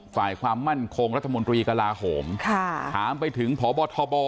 ฝ่ายความมั่นคงรัฐมนตรีกระลาโหมถามไปถึงพบทบ